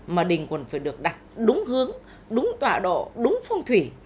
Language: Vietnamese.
mà đình còn phải được đặt đúng hướng đúng tọa độ đúng phong thủy